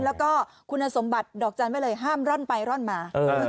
แล้วก็คุณสมบัติดอกจันทร์ไว้เลยห้ามร่อนไปร่อนมา